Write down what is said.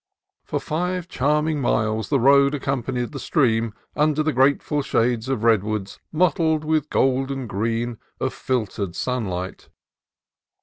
For five charming miles the road accompanied the stream under grateful shade of redwoods mottled with golden green of filtered sunlight.